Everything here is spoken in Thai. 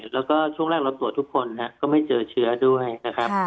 แล้วก็ช่วงแรกเราตรวจทุกคนก็ไม่เจอเชื้อด้วยนะครับ